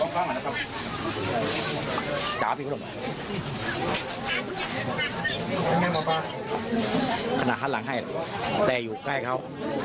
ขนาดข้างหลังให้แต่อยู่ใกล้เขา